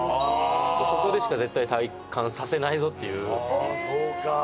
ここでしか絶対体感させないぞっていうああそうか